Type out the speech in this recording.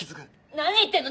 何言ってんの？